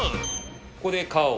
ここで皮を。